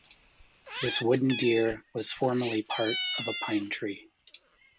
This wooden deer was formerly part of a pine tree.